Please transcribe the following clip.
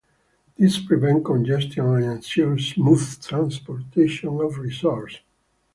This prevents congestion and ensures smooth transportation of resources.